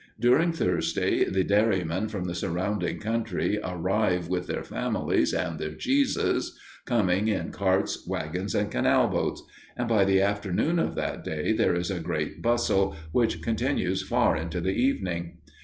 During Thursday the dairymen from the surrounding country arrive with their families and their cheeses, coming in carts, wagons, and canal boats; and by the afternoon of that day, there is a great bustle, which continues far into the evening.